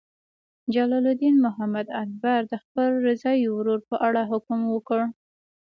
جلال الدین محمد اکبر د خپل رضاعي ورور په اړه حکم وکړ.